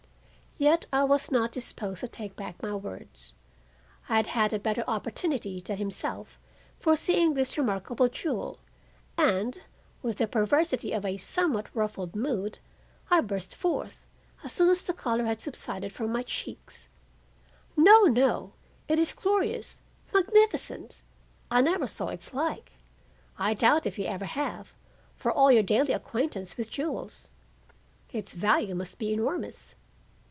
Yet I was not disposed to take back my words. I had had a better opportunity than himself for seeing this remarkable jewel, and, with the perversity of a somewhat ruffled mood, I burst forth, as soon as the color had subsided from my cheeks: "No, no! It is glorious, magnificent. I never saw its like. I doubt if you ever have, for all your daily acquaintance with jewels. Its value must be enormous.